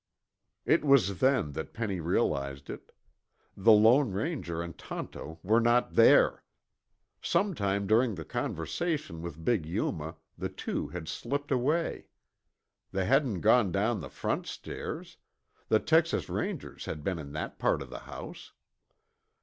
It was then that Penny realized it: the Lone Ranger and Tonto were not there. Sometime during the conversation with big Yuma, the two had slipped away. They hadn't gone down the front stairs; the Texas Rangers had been in that part of the house.